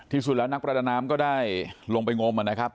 ที่สุดแล้วนักประดาน้ำก็ได้ลงไปงมนะครับ